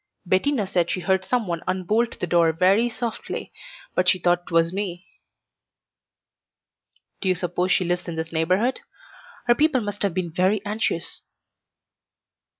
Bettina said she heard some one unbolt the door very softly, but she thought 'twas me." "Do you suppose she lives in this neighborhood? Her people must have been very anxious."